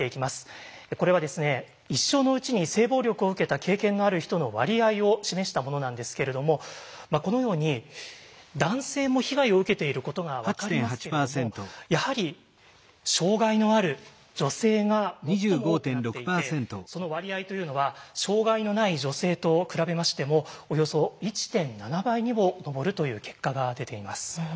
これは一生のうちに性暴力を受けた経験がある人の割合を示したものなんですけれどもこのように男性も被害を受けていることが分かりますけれどもやはり障害のある女性が最も多くなっていてその割合というのは障害のない女性と比べましてもおよそ１．７倍にも上るという結果が出ています。